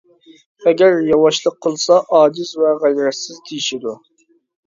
ئەگەر ياۋاشلىق قىلسا، «ئاجىز ۋە غەيرەتسىز» دېيىشىدۇ.